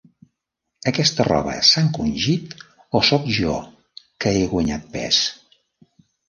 Aquesta roba s'ha encongit o sóc jo, que he guanyat pes?